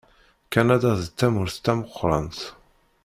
Kanada d tamurt tameqqrant.